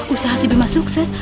usaha si bima sukses